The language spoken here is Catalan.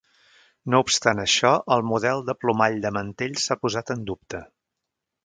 No obstant això, el model de plomall de mantell s'ha posat en dubte.